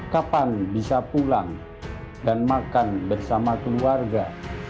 kapan bisa pulang dan makan bersama keluarga